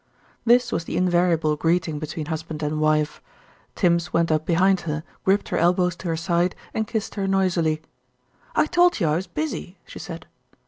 This was the invariable greeting between husband and wife. Tims went up behind her, gripped her elbows to her side, and kissed her noisily. "I told you I was busy," she said.